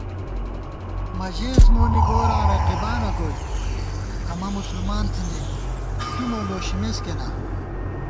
مہ ژېس مونی گوراں رقیبانہ گوئی * امہ مسلمان تھنَئیک تُو مو لوشِمېس کېنا